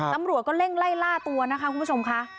ตำรวจก็เร่งไล่ล่าตัวนะคะคุณผู้ชมค่ะ